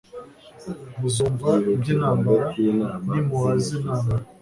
«Muzumva iby'intambara n'impuha z'intambara,